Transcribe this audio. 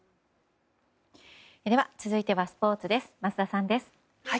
では続いてはスポーツ桝田さんです。